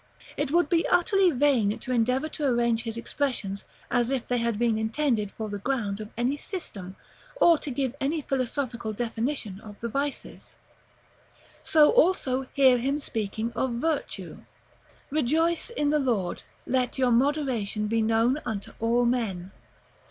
It would be utterly vain to endeavor to arrange his expressions as if they had been intended for the ground of any system, or to give any philosophical definition of the vices. So also hear him speaking of virtue: "Rejoice in the Lord. Let your moderation be known unto all men.